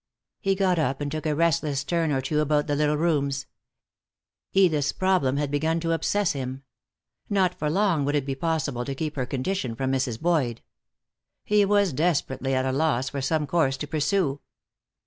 He got up and took a restless turn or two about the little rooms. Edith's problem had begun to obsess him. Not for long would it be possible to keep her condition from Mrs. Boyd. He was desperately at a loss for some course to pursue.